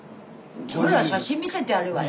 ほら写真見せてやるわよ。